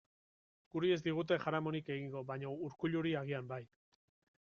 Guri ez digute jaramonik egingo, baina Urkulluri agian bai.